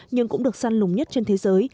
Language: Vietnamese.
nhưng cũng được săn lùng nhất trên thế giới